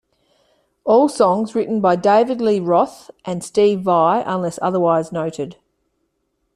All songs written by David Lee Roth and Steve Vai unless otherwise noted.